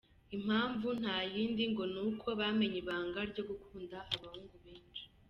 Impamvu nta yindi ngo nuko bamenye ibanga ryo gukunda abahungu benshi.